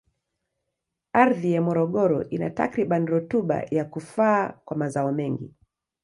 Ardhi ya Morogoro ina takribani rutuba ya kufaa kwa mazao mengi.